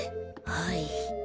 はい。